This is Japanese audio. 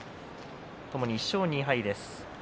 ともに１勝２敗。